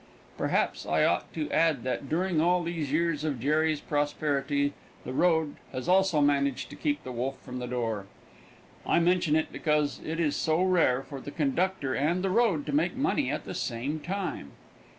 Perhaps I ought to add that during all these years of Jerry's prosperity the road has also managed to keep the wolf from the door. I mention it because it is so rare for the conductor and the road to make money at the same time.